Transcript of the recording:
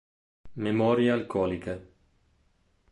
Memorie alcoliche".